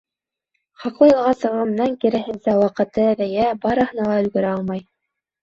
Хаҡлы ялға сығыу менән, киреһенсә, ваҡыты әҙәйә, барыһына ла өлгөрә алмай.